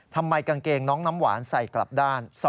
ทำไมกางเกงน้องน้ำหวานใส่กลับด้าน